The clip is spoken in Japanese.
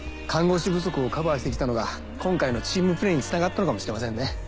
看護師不足をカバーしてきたのが今回のチームプレーにつながったのかもしれませんね。